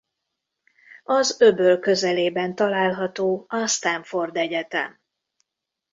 Az öböl közelében található a Stanford Egyetem.